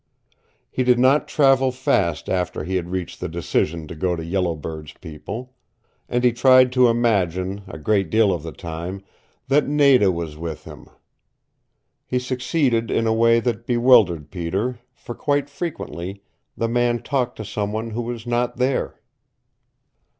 He did not travel fast after he had reached the decision to go to Yellow Bird's people. And he tried to imagine, a great deal of the time, that Nada was with him. He succeeded in a way that bewildered Peter, for quite frequently the man talked to someone who was not there.